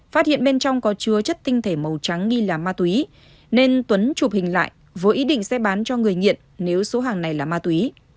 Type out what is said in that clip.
phát hiện bên trong có chứa chất tinh thể màu trắng nghi là ma túy nên tuấn chụp hình lại với ý định sẽ bán cho người nghiện nếu số hàng này là ma túy